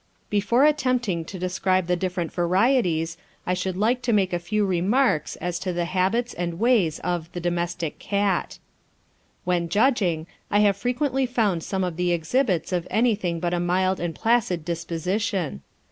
Before attempting to describe the different varieties, I should like to make a few remarks as to the habits and ways of "the domestic cat." When judging, I have frequently found some of the exhibits of anything but a mild and placid disposition.